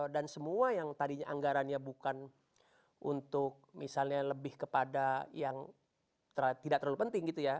dan semua yang tadinya anggarannya bukan untuk misalnya lebih kepada yang tidak terlalu penting gitu ya